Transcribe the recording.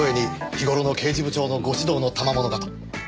日頃の刑事部長のご指導のたまものかと。